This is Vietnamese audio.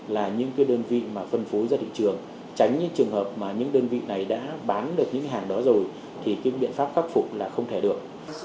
là những cái đơn vị mà phân phối ra thị trường tránh những trường hợp mà những đơn vị này đã bán được những cái hàng đó rồi thì cái biện pháp khắc phục là không thể được